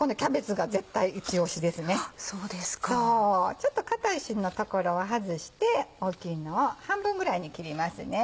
ちょっと硬いしんの所は外して大きいのを半分ぐらいに切りますね。